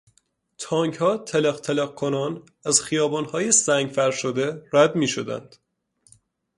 تانکها تلق تلق کنان از خیابانهای سنگفرش شده رد میشدند.